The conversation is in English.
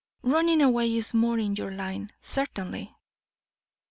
Running away is more in your line, certainly."